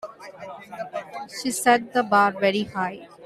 She set the bar very high.